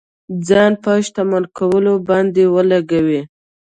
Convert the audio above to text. ځان په شتمن کولو باندې ولګولې.